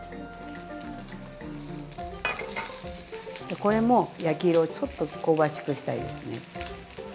これも焼き色をちょっと香ばしくした色にね。